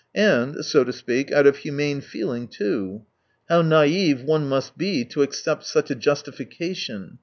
And, so to speak, out of humane feeling too. ... How naive one must be to accept such a justifica tion